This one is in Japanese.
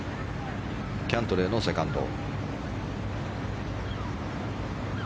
キャントレーのセカンド。